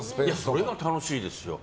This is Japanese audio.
それが楽しいですよ。